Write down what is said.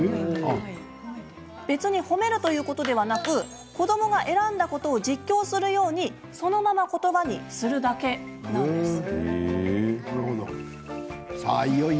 別に褒めるということではなく子どもが選んだことを実況するようにそのまま言葉にするだけです。